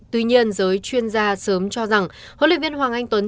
tuy nhiên giới chuyên gia sớm cho rằng huấn luyện viên hoàng anh tuấn